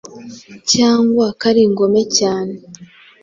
cyangwa ko ari ingome cyane